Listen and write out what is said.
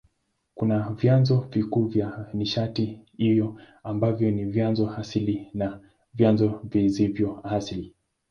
Kuna vyanzo vikuu vya nishati hiyo ambavyo ni vyanzo asili na vyanzo visivyo asili.